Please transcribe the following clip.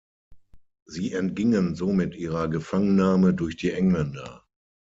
Sie entgingen somit ihrer Gefangennahme durch die Engländer.